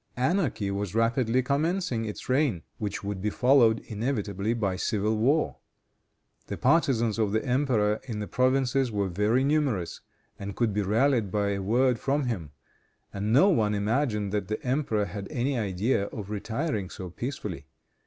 Anarchy was rapidly commencing its reign, which would be followed inevitably by civil war. The partisans of the emperor in the provinces were very numerous, and could be rallied by a word from him; and no one imagined that the emperor had any idea of retiring so peacefully.